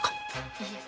いいえ。